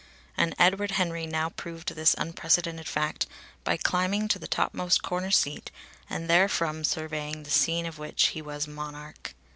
And Edward Henry now proved this unprecedented fact by climbing to the topmost corner seat and therefrom surveying the scene of which he was monarch.